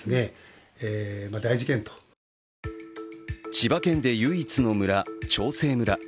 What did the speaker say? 千葉県で唯一の村、長生村。